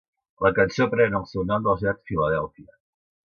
La cançó pren el seu nom de la ciutat Filadèlfia.